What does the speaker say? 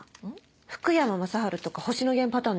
福山雅治とか星野源パターン